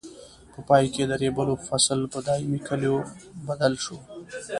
په پای کې د ریبلو فصل په دایمي کلیو بدل شو.